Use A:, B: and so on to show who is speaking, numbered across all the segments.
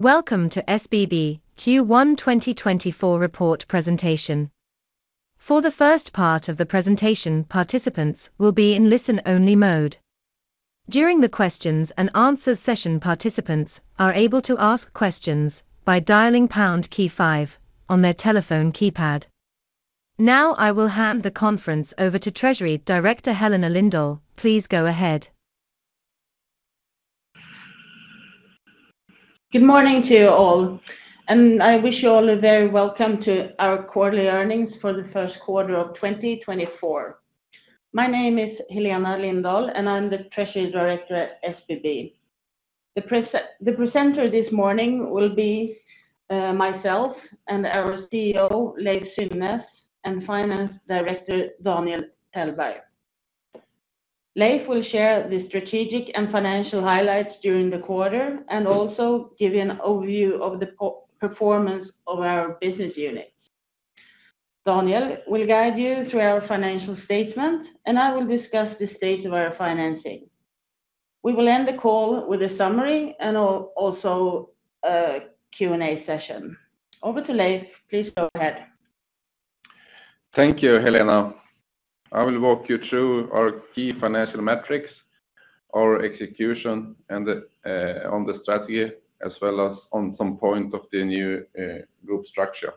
A: Welcome to SBB Q1 2024 report presentation. For the first part of the presentation, participants will be in listen-only mode. During the questions and answer session, participants are able to ask questions by dialing pound key five on their telephone keypad. Now, I will hand the conference over to Treasury Director, Helena Lindahl. Please go ahead.
B: Good morning to you all, and I wish you all a very welcome to our quarterly earnings for the Q1 of 2024. My name is Helena Lindahl, and I'm the Treasury Director at SBB. The presenter this morning will be myself and our CEO, Leiv Synnes, and Finance Director, Daniel Tellberg. Leiv will share the strategic and financial highlights during the quarter, and also give you an overview of the performance of our business units. Daniel will guide you through our financial statement, and I will discuss the state of our financing. We will end the call with a summary and also a Q&A session. Over to Leiv. Please go ahead.
C: Thank you, Helena. I will walk you through our key financial metrics, our execution, and the on the strategy, as well as on some point of the new group structure.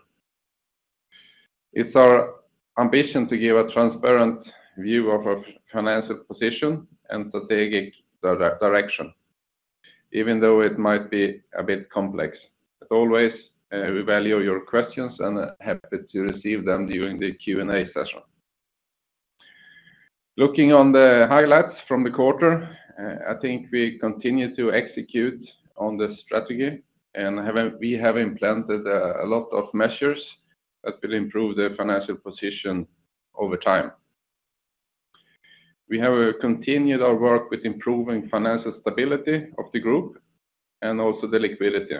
C: It's our ambition to give a transparent view of our financial position and strategic direction, even though it might be a bit complex. As always, we value your questions and happy to receive them during the Q&A session. Looking on the highlights from the quarter, I think we continue to execute on the strategy, and we have implemented a lot of measures that will improve the financial position over time. We have continued our work with improving financial stability of the group and also the liquidity.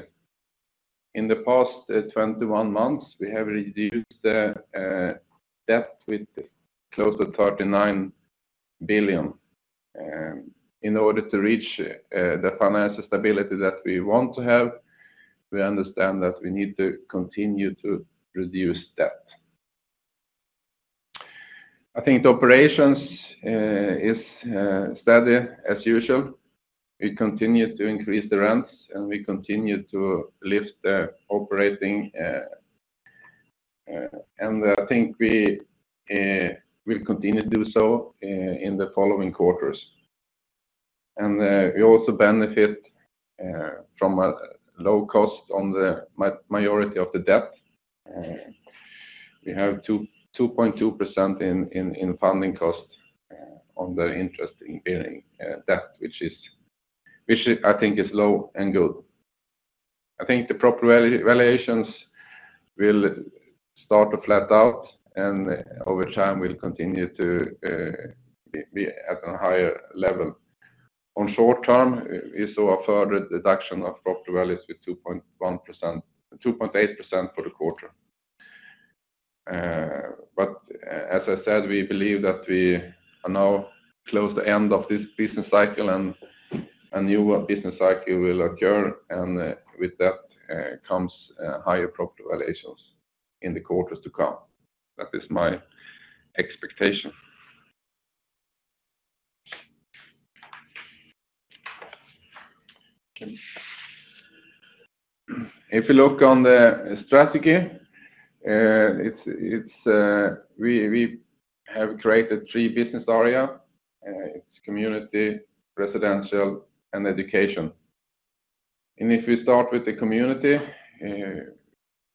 C: In the past 21 months, we have reduced the debt with close to 39 billion. In order to reach the financial stability that we want to have, we understand that we need to continue to reduce debt. I think the operations is steady as usual. We continue to increase the rents, and we continue to lift the operating. I think we will continue to do so in the following quarters. We also benefit from a low cost on the majority of the debt. We have 2.2% in funding costs on the interest-bearing debt, which I think is low and good. I think the proper valuations will start to flatten out, and over time, we'll continue to be at a higher level. In the short term, we saw a further reduction of property values with 2.8% for the quarter. As I said, we believe that we are now close to end of this business cycle, and a new business cycle will occur, and with that comes higher property valuations in the quarters to come. That is my expectation. If you look on the strategy, it's we have created three business area, it's Community, Residential, and Education. And if we start with the Community,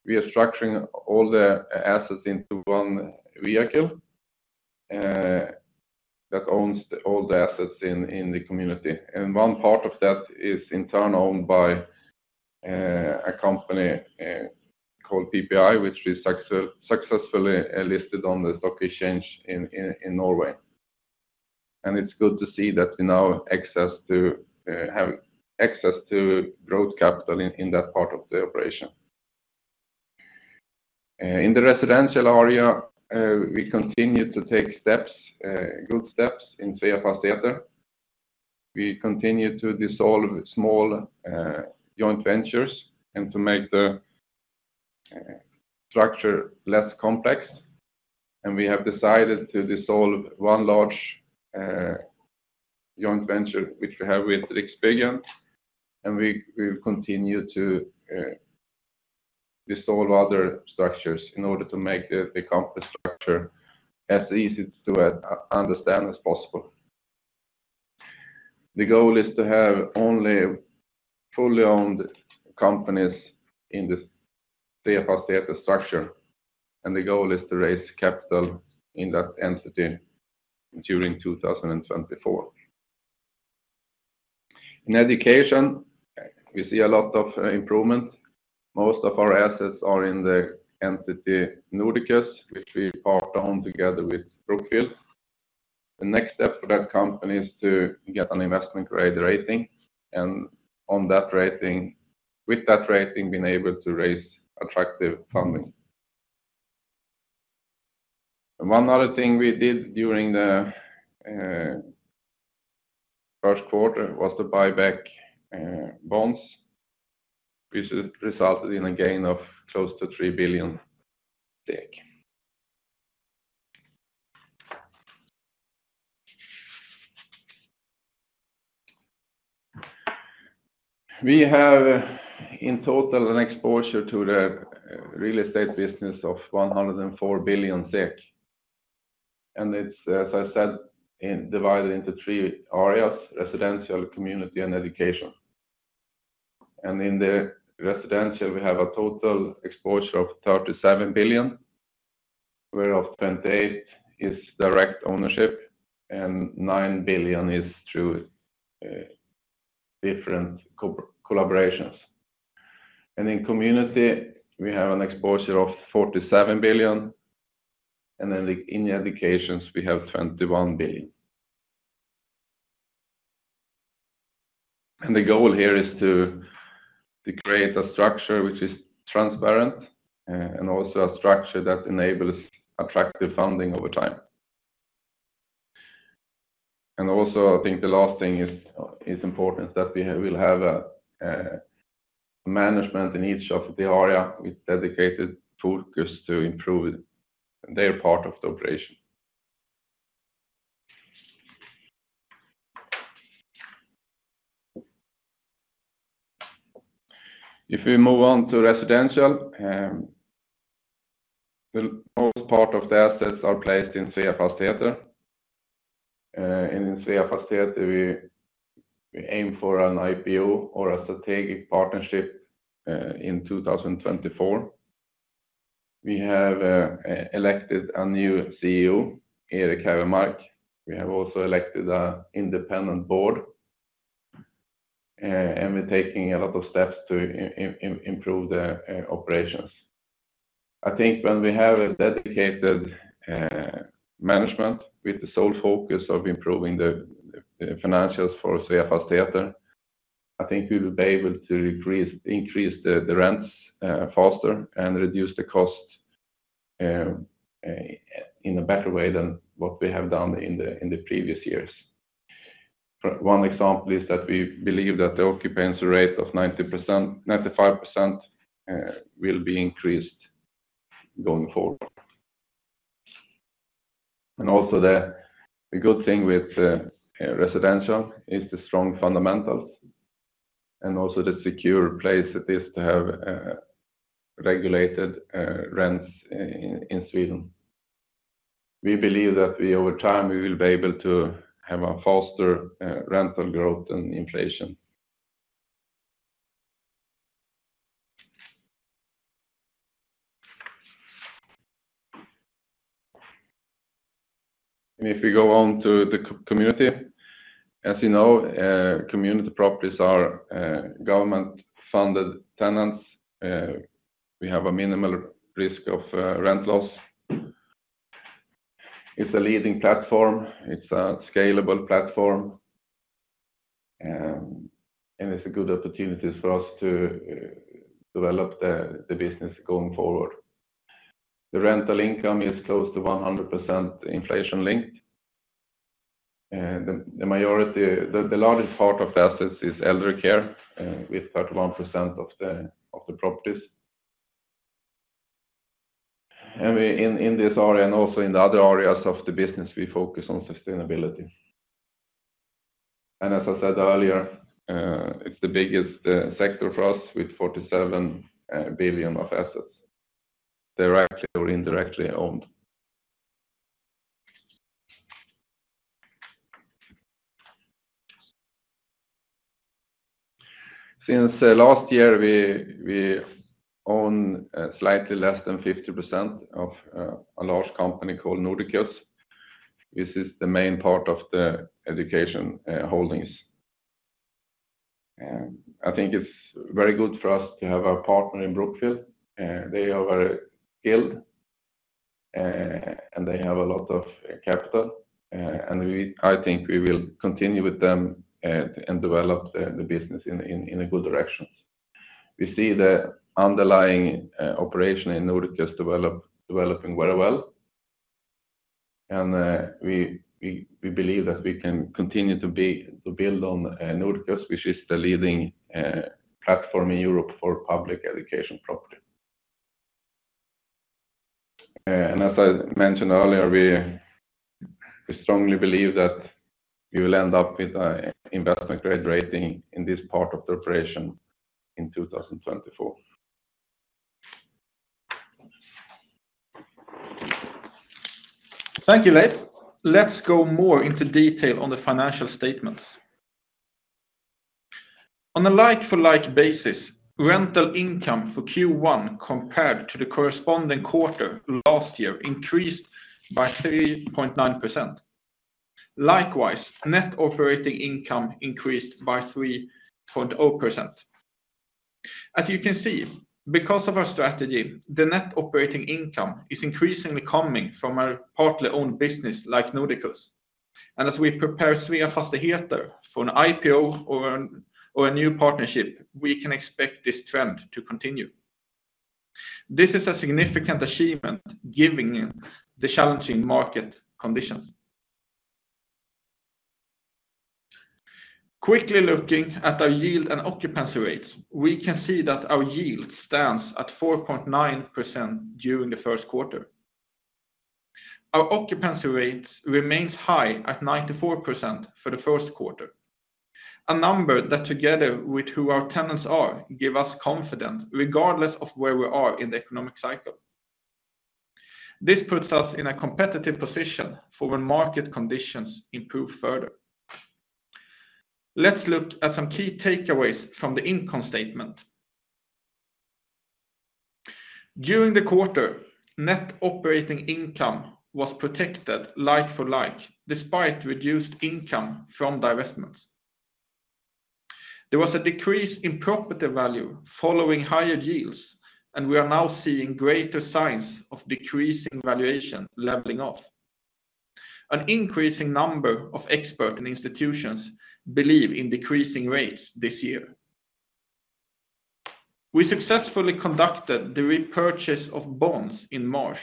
C: we are structuring all the assets into one vehicle that owns all the assets in the Community and one part of that is in turn owned by a company called PPI, which we successfully listed on the stock exchange in Norway. It's good to see that we now have access to growth capital in that part of the operation. In the residential area, we continue to take steps, good steps in Sveafastigheter. We continue to dissolve small joint ventures and to make the structure less complex. We have decided to dissolve one large joint venture, which we have with Riksbyggen, and we will continue to dissolve other structures in order to make the company structure as easy to understand as possible. The goal is to have only fully owned companies in the Sveafastigheter structure, and the goal is to raise capital in that entity during 2024. In education, we see a lot of improvement. Most of our assets are in the entity, Nordiqus, which we part own together with Brookfield. The next step for that company is to get an investment grade rating, and with that rating, being able to raise attractive funding. One other thing we did during the Q1 was to buy back bonds, which has resulted in a gain of close to 3 billion. We have, in total, an exposure to the real estate business of 104 billion SEK. It's, as I said, divided into three areas, residential, community, and education. In the residential, we have a total exposure of 37 billion, whereof 28 billion is direct ownership, and 9 billion is through different collaborations. In community, we have an exposure of 47 billion, and then in the education, we have 21 billion. And the goal here is to create a structure which is transparent, and also a structure that enables attractive funding over time. And also, I think the last thing is important, that we'll have a management in each of the area with dedicated focus to improve their part of the operation. If we move on to residential, the most part of the assets are placed inSveafastigheter. InSveafastigheter, we aim for an IPO or a strategic partnership in 2024. We have elected a new CEO, Erik Hävermark. We have also elected a independent board, and we're taking a lot of steps to improve the operations. I think when we have a dedicated management with the sole focus of improving the financials forSveafastigheter, I think we will be able to increase the rents faster and reduce the cost in a better way than what we have done in the previous years. One example is that we believe that the occupancy rate of 90%-95% will be increased going forward. And also, the good thing with residential is the strong fundamentals, and also the secure place it is to have regulated rents in Sweden. We believe that we over time we will be able to have a faster rental growth than inflation. And if we go on to the community, as you know, community properties are government-funded tenants. We have a minimal risk of rent loss. It's a leading platform, it's a scalable platform, and it's a good opportunity for us to develop the business going forward. The rental income is close to 100% inflation-linked, and the majority—the largest part of the assets is eldercare, with 31% of the properties. We, in this area, and also in the other areas of the business, we focus on sustainability. As I said earlier, it's the biggest sector for us, with 47 billion of assets, directly or indirectly owned. Since last year, we own slightly less than 50% of a large company called Nordiqus. This is the main part of the education holdings. I think it's very good for us to have our partner in Brookfield. They are very skilled, and they have a lot of capital, and we—I think we will continue with them, and develop the business in a good direction. We see the underlying operation in Nordiqus developing very well, and we believe that we can continue to build on Nordiqus, which is the leading platform in Europe for public education property. And as I mentioned earlier, we strongly believe that we will end up with an investment-grade rating in this part of the operation in 2024.
D: Thank you, Leiv. Let's go more into detail on the financial statements. On a like-for-like basis, rental income for Q1 compared to the corresponding quarter last year increased by 3.9%. Likewise, net operating income increased by 3.0%. As you can see, because of our strategy, the net operating income is increasingly coming from our partly owned business, like Nordiqus. And as we prepare three of us to hit there for an IPO or an, or a new partnership, we can expect this trend to continue. This is a significant achievement, given the challenging market conditions. Quickly looking at our yield and occupancy rates, we can see that our yield stands at 4.9% during the Q1. Our occupancy rates remains high at 94% for the Q1, a number that together with who our tenants are, give us confidence regardless of where we are in the economic cycle. This puts us in a competitive position for when market conditions improve further. Let's look at some key takeaways from the income statement. During the quarter, net operating income was protected like for like, despite reduced income from divestments. There was a decrease in property value following higher yields, and we are now seeing greater signs of decreasing valuation leveling off. An increasing number of expert and institutions believe in decreasing rates this year. We successfully conducted the repurchase of bonds in March,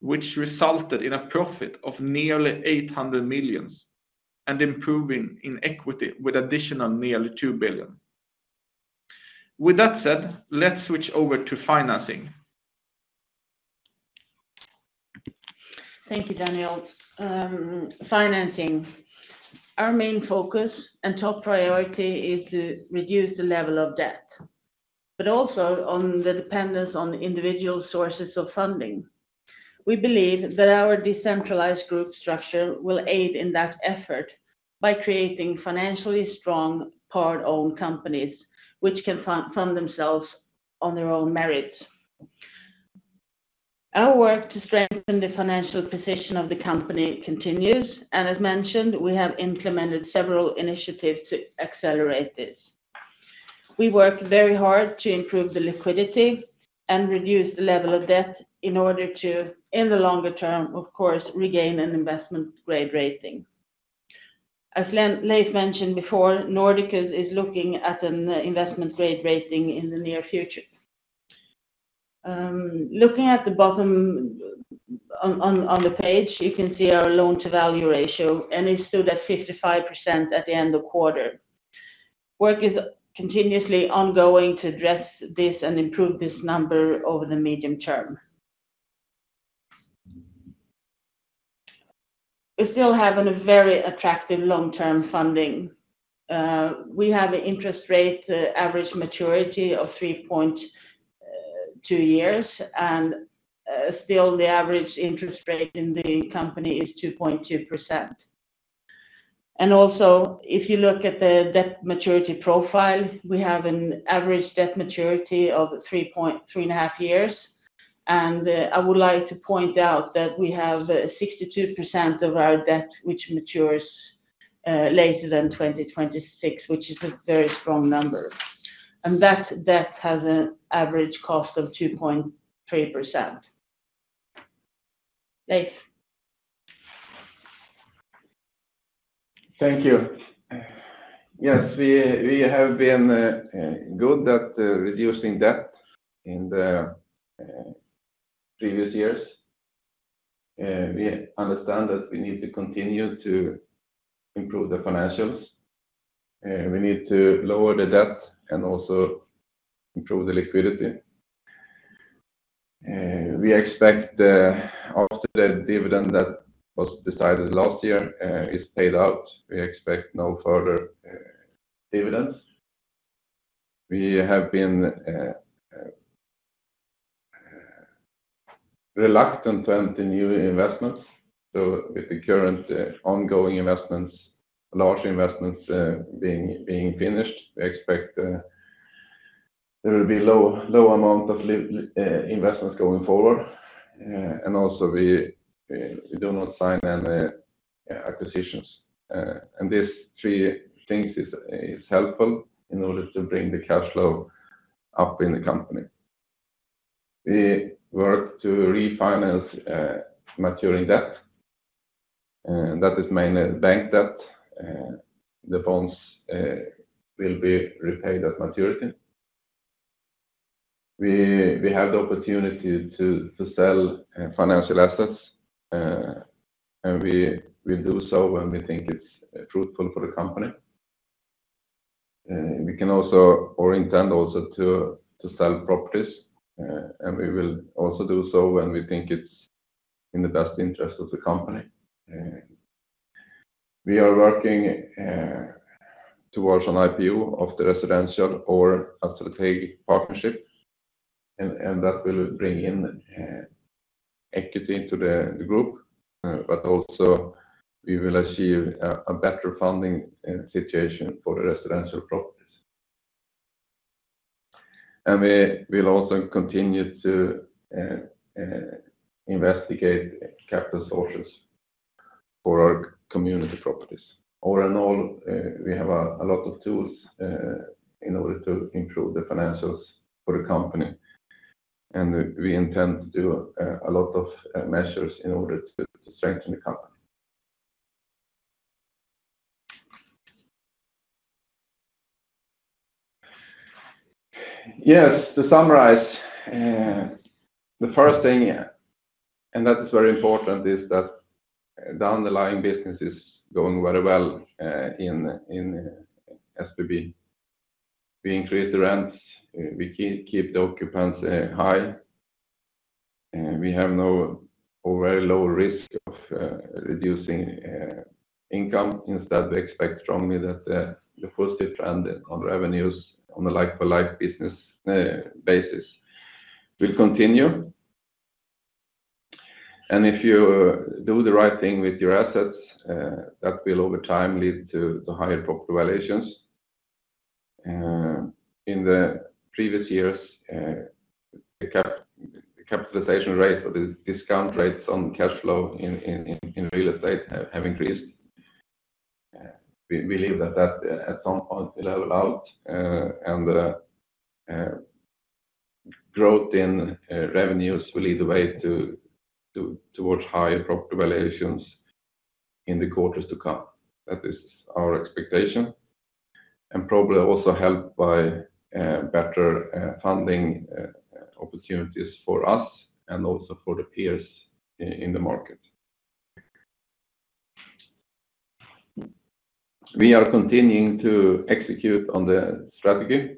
D: which resulted in a profit of nearly 800 million, and improving in equity with additional nearly 2 billion. With that said, let's switch over to financing.
B: Thank you, Daniel. Financing. Our main focus and top priority is to reduce the level of debt, but also on the dependence on individual sources of funding. We believe that our decentralized group structure will aid in that effort by creating financially strong, part-owned companies, which can fund themselves on their own merits. Our work to strengthen the financial position of the company continues, and as mentioned, we have implemented several initiatives to accelerate this. We work very hard to improve the liquidity and reduce the level of debt in order to, in the longer term, of course, regain an investment grade rating. As Leiv mentioned before, Nordiqus is looking at an investment grade rating in the near future. Looking at the bottom on the page, you can see our loan to value ratio, and it stood at 55% at the end of quarter. Work is continuously ongoing to address this and improve this number over the medium term. We still have a very attractive long-term funding. We have an interest rate average maturity of 3.2 years, and still the average interest rate in the company is 2.2%. If you look at the debt maturity profile, we have an average debt maturity of 3.3 and a half years. I would like to point out that we have 62% of our debt, which matures later than 2026, which is a very strong number. That debt has an average cost of 2.3%. Leiv?
C: Thank you. We have been good at reducing debt in the previous years. We understand that we need to continue to improve the financials, we need to lower the debt and also improve the liquidity. We expect after the dividend that was decided last year is paid out, we expect no further dividends. We have been reluctant to enter new investments. With the current ongoing investments, large investments, being finished, we expect there will be low amount of investments going forward. Also we do not sign any acquisitions. These three things is helpful in order to bring the cash flow up in the company. We work to refinance maturing debt, and that is mainly bank debt. The bonds will be repaid at maturity. We have the opportunity to sell financial assets, and we do so when we think it's truthful for the company. We can also, or intend also to, sell properties, and we will also do so when we think it's in the best interest of the company. We are working towards an IPO of the residential or a strategic partnership, and that will bring in equity into the group, but also we will achieve a better funding situation for the residential properties. We will also continue to investigate capital sources for our community properties. All in all, we have a lot of tools in order to improve the financials for the company. We intend to do a lot of measures in order to strengthen the company. To summarize, the first thing, and that is very important, is that the underlying business is going very well in SBB. We increase the rents, we keep the occupants high, we have no or very low risk of reducing income instead, we expect strongly that the positive trend on revenues on a like-for-like business basis will continue. And if you do the right thing with your assets, that will over time lead to higher property valuations. In the previous years, the capitalization rates or the discount rates on cash flow in real estate have increased. We believe that at some point will level out, and the growth in revenues will lead the way towards higher property valuations in the quarters to come that is our expectation, and probably also helped by better funding opportunities for us and also for the peers in the market. We are continuing to execute on the strategy.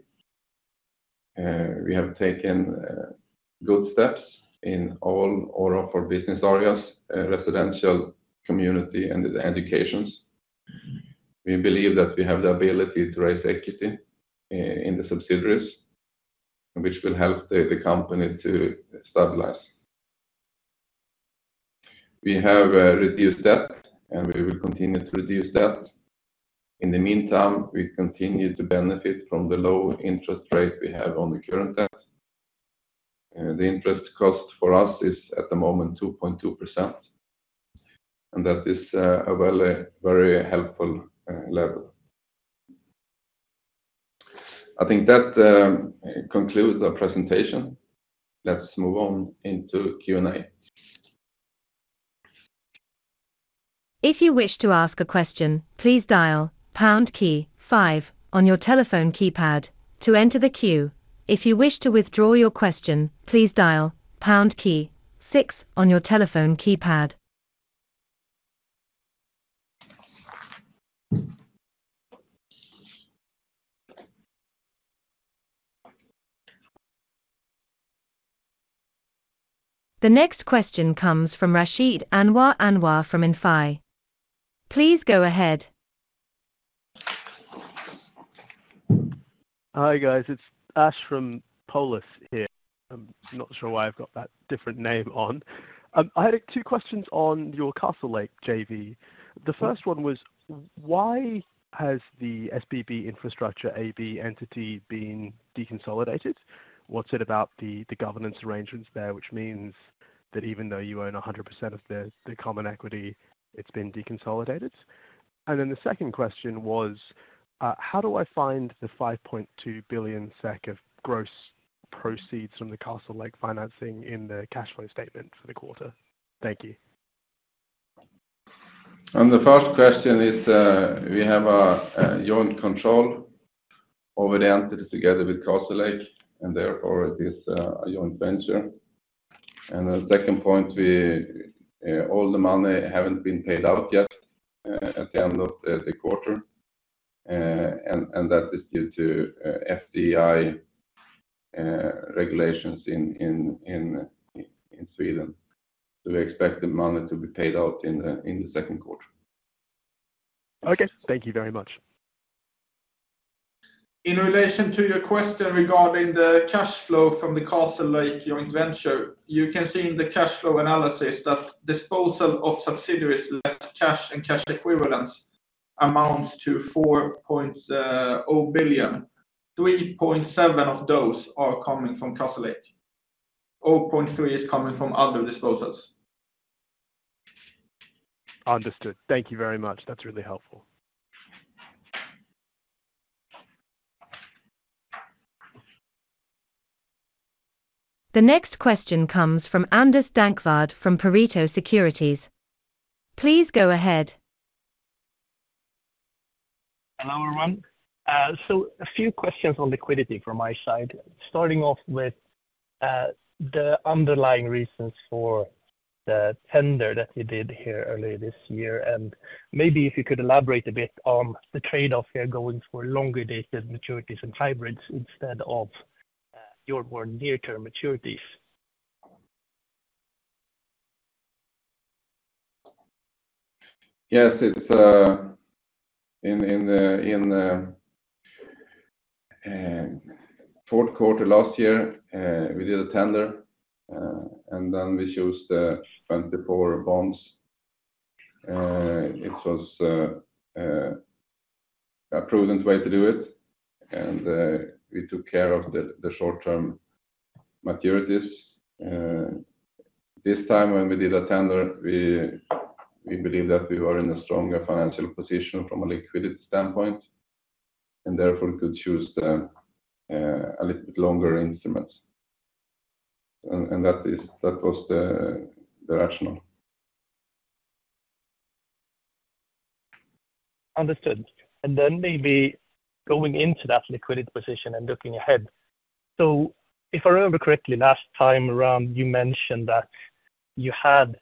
C: We have taken good steps in all of our business areas: Residential, Community, and Education. We believe that we have the ability to raise equity in the subsidiaries, which will help the company to stabilize. We have reduced debt, and we will continue to reduce debt. In the meantime, we continue to benefit from the low interest rate we have on the current debt. The interest cost for us is, at the moment, 2.2%, and that is a very, very helpful level. I think that concludes our presentation. Let's move on into Q&A.
A: If you wish to ask a question, please dial pound key five on your telephone keypad to enter the queue. If you wish to withdraw your question, please dial pound key six on your telephone keypad. The next question comes from Rashid Anwar from Citi. Please go ahead.
E: It's Rash from Polus here. I'm not sure why I've got that different name on. I had two questions on your Castlelake JV. The first one was: Why? has the SBB Infrastructure AB entity been deconsolidated? What's it about the, the governance arrangements there, which means that even though you own 100% of the, the common equity, it's been deconsolidated? And then the second question was: How do I find the 5.2 billion SEK of gross proceeds from the Castlelake financing in the cash flow statement for the quarter? Thank you.
C: On the first question is, we have a joint control over the entity together with Castlelake, and therefore it is a joint venture. The second point, all the money haven't been paid out yet at the end of the quarter, and that is due to FDI regulations in Sweden. We expect the money to be paid out in the Q2.
E: Okay. Thank you very much.
D: In relation to your question regarding the cash flow from the Castlelake joint venture, you can see in the cash flow analysis that disposal of subsidiaries less cash and cash equivalents amounts to SEK 4 billion. 3.7 of those are coming from Castlelake. 0.3 is coming from other disposals.
E: Understood. Thank you very much. That's really helpful.
A: The next question comes from Anders Dankvardt from Pareto Securities. Please go ahead.
F: Hello, everyone. Few questions on liquidity from my side, starting off with the underlying reasons for the tender that you did here earlier this year. Maybe if you could elaborate a bit on the trade-off here, going for longer-dated maturities and hybrids instead of your more near-term maturities?
C: Yes, it's in the Q4 last year, we did a tender, and then we chose the 24 bonds. It was a prudent way to do it, and we took care of the short-term maturities. This time when we did a tender, we believe that we were in a stronger financial position from a liquidity standpoint... and therefore could choose a little bit longer instruments. That is- that was the rationale.
F: Understood. Then maybe going into that liquidity position and looking ahead. If I remember correctly, last time around, you mentioned that you had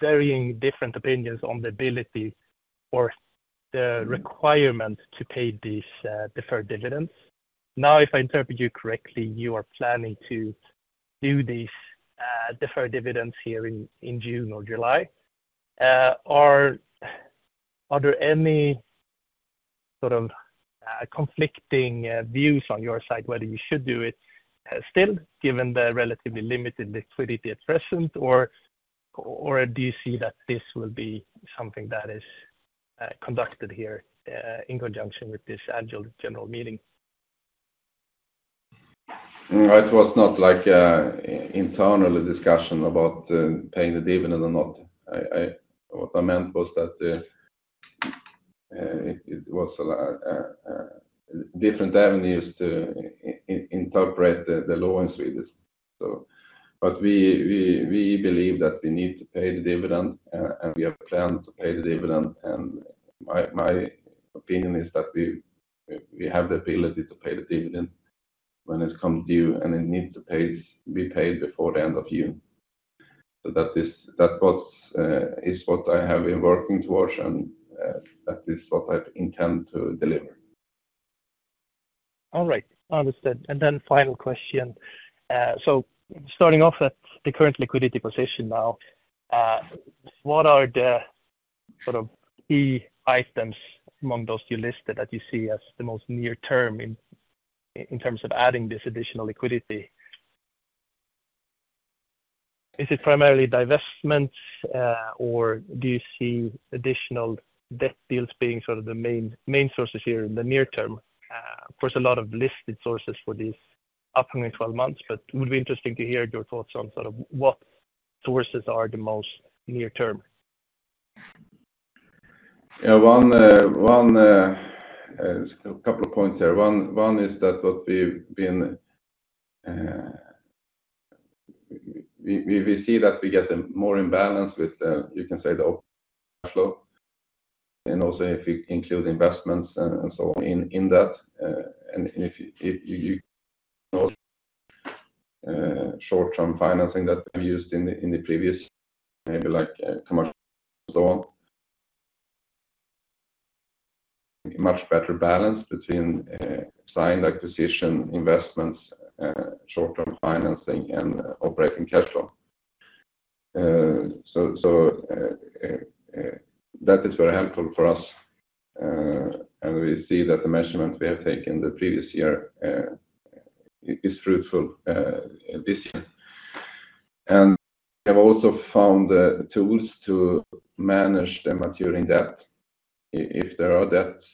F: varying different opinions on the ability or the requirement to pay these deferred dividends. Now, if I interpret you correctly, you are planning to do these deferred dividends here in June or July. Are there any? sort of conflicting views on your side, whether you should do it still, given the relatively limited liquidity at present? or do you see that this will be something that is conducted here in conjunction with this annual general meeting?
C: No, it was not like an internal discussion about paying the dividend or not. What I meant was that it was different avenues to interpret the law in Sweden. We believe that we need to pay the dividend, and we have planned to pay the dividend. My opinion is that we have the ability to pay the dividend when it comes due, and it needs to be paid before the end of year. That is what I have been working towards, and that is what I intend to deliver.
F: All right, understood. Then final question. Starting off at the current liquidity position now, what are the sort of key items among those you listed that you see as the most near term in terms of adding this additional liquidity? Is it primarily divestments, or do you see additional debt deals being sort of the main, main sources here in the near term? Of course, a lot of listed sources for these upcoming twelve months, but it would be interesting to hear your thoughts on sort of what sources are the most near term.
C: Yeah, one, one... A couple of points there one is that what we've been, we see that we get a more imbalance with, you can say, the flow, and also if we include investments and so on in that, and if you short-term financing that we used in the previous, maybe like, commercial, so on. Much better balance between signed acquisition, investments, short-term financing, and operating cash flow. That is very helpful for us, and we see that the measurement we have taken the previous year is fruitful this year. We have also found the tools to manage the maturing debt. If there are debts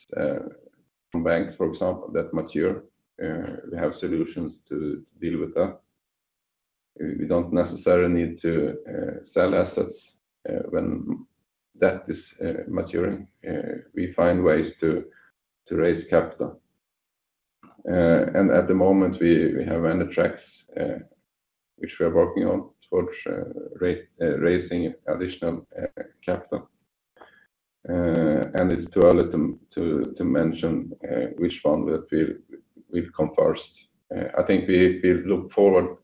C: from banks, for example, that mature, we have solutions to deal with that. We don't necessarily need to sell assets when debt is maturing. We find ways to raise capital. At the moment, we have other tracks which we are working on towards raising additional capital.
G: And it's too early to mention which one that we've come first. I think we look forward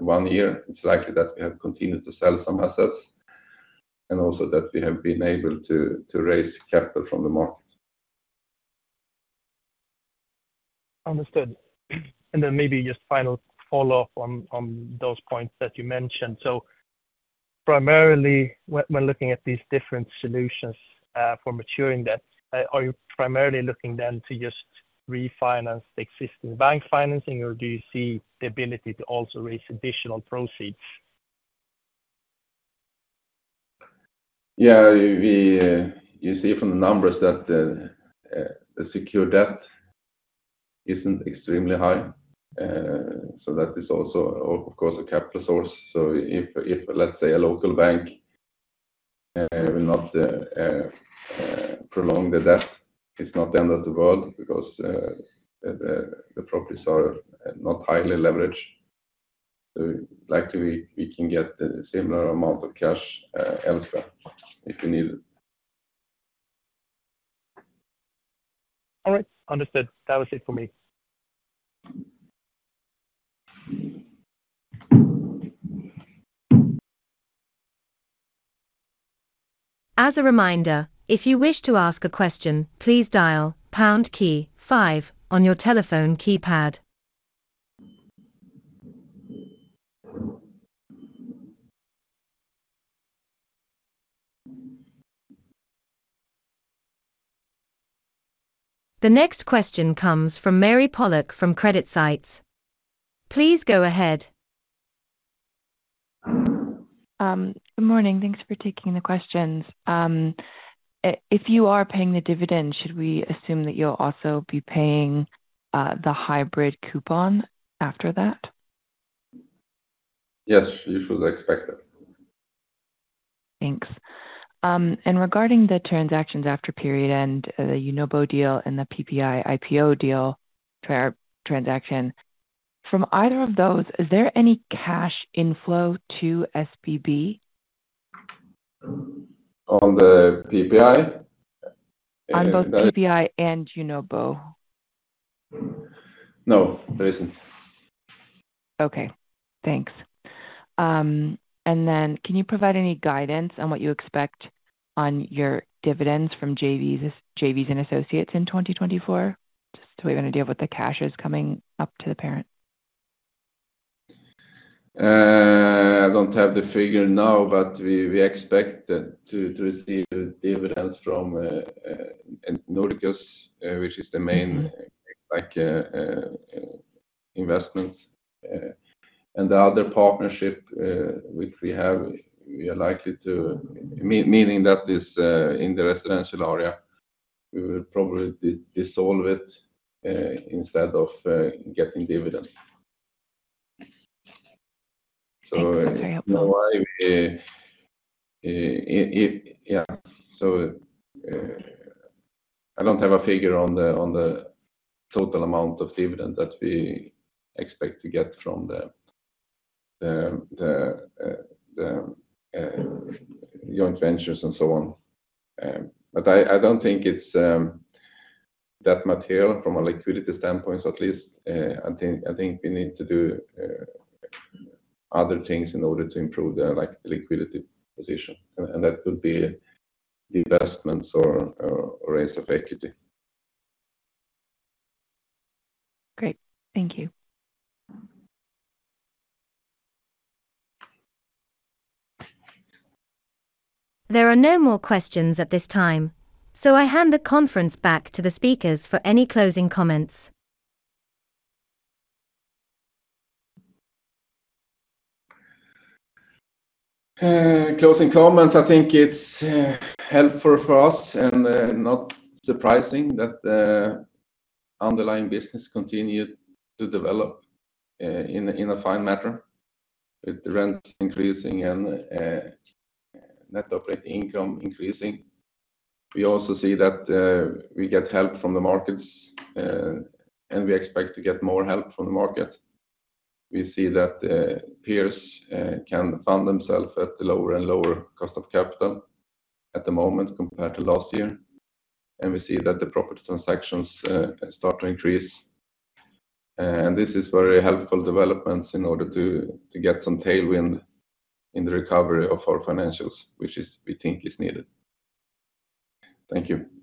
G: one year it's likely that we have continued to sell some assets, and also that we have been able to raise capital from the market.
F: Understood. And then maybe just final follow-up on those points that you mentioned. Primarily, when looking at these different solutions for maturing debt, are you primarily looking then to just refinance the existing bank financing, or do you see the ability to also raise additional proceeds?
C: Yeah, we, you see from the numbers that, the secure debt isn't extremely high, that is also, of course, a capital source if, let's say a local bank, will not prolong the debt, it's not the end of the world because, the properties are not highly leveraged. Likely we can get a similar amount of cash, elsewhere, if we need it.
F: All right, understood. That was it for me.
A: As a reminder, if you wish to ask a question, please dial pound key five on your telephone keypad. The next question comes from Mary Pollock from CreditSights. Please go ahead.
G: Good morning. Thanks for taking the questions. If you are paying the dividend, should we assume that you'll also be paying the hybrid coupon after that?...
C: Yes, you should expect it.
G: Thanks. Regarding the transactions after period and the Unobo deal and the PPI IPO deal transaction, from either of those, is there any cash inflow to SBB?
C: On the PPI?
G: On both PPI and Unobo.
C: No, there isn't.
G: Okay, thanks. Then can you provide any guidance on what you expect on your dividends from JVs, JVs and associates in 2024? Just the way you're gonna deal with the cashes coming up to the parent.
C: I don't have the figure now, but we expect to receive the dividends from Nordiqus, which is the main, like, investments. And the other partnership which we have, we are likely to... meaning that is, in the residential area, we will probably dissolve it, instead of getting dividends.
G: Thank you very much.
C: I don't have a figure on the total amount of dividend that we expect to get from the joint ventures and so on. I don't think it's that material from a liquidity standpoint at least, I think we need to do other things in order to improve the liquidity position, and that could be divestments or raise of equity.
G: Great. Thank you.
A: There are no more questions at this time, so I hand the conference back to the speakers for any closing comments.
C: Closing comments, I think it's helpful for us, and not surprising that the underlying business continued to develop in a fine matter, with rent increasing and net operating income increasing. We also see that we get help from the markets, We expect to get more help from the market. We see that peers can fund themselves at a lower and lower cost of capital at the moment compared to last year. We see that the property transactions start to increase. This is very helpful developments in order to get some tailwind in the recovery of our financials, which we think is needed. Thank you.